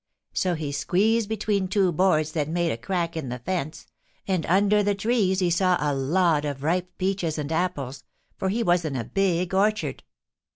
So he squeezed between two boards that made a crack in the fence, and under the trees he saw a lot of ripe peaches and apples, for he was in a big orchard.